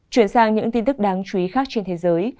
chuyển sang những tin tức đáng chú ý khác trên thế giới